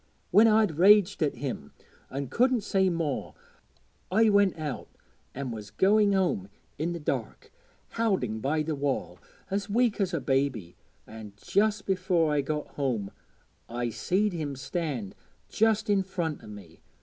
When I'd raged at him an' couldn't say more, I went out an' was going home i' the dark, howding by the wall, as weak as a baby; an' just afore I got home, I seed him stand just in front' o' me.